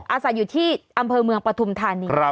อาศัยอยู่ที่อำเภอเมืองปฐุมธานี